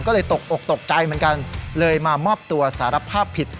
ก็เลยตกอกตกใจเหมือนกันเลยมามอบตัวสารภาพผิด